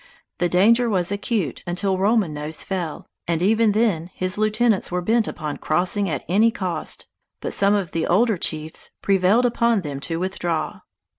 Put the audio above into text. The danger was acute until Roman Nose fell, and even then his lieutenants were bent upon crossing at any cost, but some of the older chiefs prevailed upon them to withdraw.